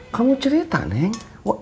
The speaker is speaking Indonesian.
kamu cerita neng